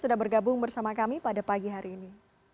sudah bergabung bersama kami pada pagi hari ini